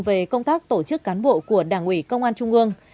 về công tác tổ chức cán bộ của đảng ủy công an trung ương